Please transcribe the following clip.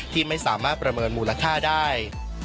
ที่ไม่สามารถประเมินมูลค่าได้